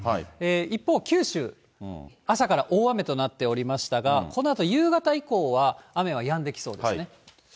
一方、九州、朝から大雨となっておりましたが、このあと夕方以降は雨はやんできそうですね。